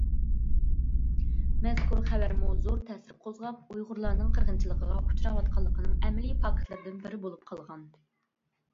مەزكۇر خەۋەرمۇ زور تەسىر قوزغاپ، ئۇيغۇرلارنىڭ قىرغىنچىلىققا ئۇچراۋاتقانلىقىنىڭ ئەمەلىي پاكىتلىرىدىن بىرى بولۇپ قالغان.